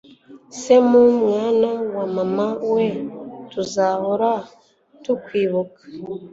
semu mwana wa mama we, tuzahora tukwibuka